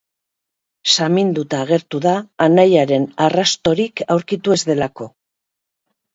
Saminduta agertu da, anaiaren arrastorik aurkitu ez delako.